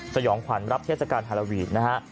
สยองขวัญรับเทศกาลฮาโลวีนนะฮะ